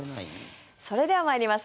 それでは参ります。